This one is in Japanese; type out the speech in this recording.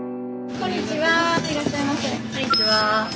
こんにちは。